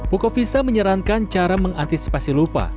pukovisa menyarankan cara mengantisipasi lupa